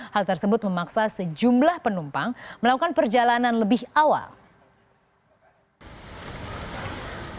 hal tersebut memaksa sejumlah penumpang melakukan perjalanan lebih awal